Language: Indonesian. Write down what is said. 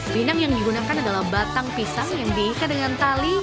pinang yang digunakan adalah batang pisang yang diikat dengan tali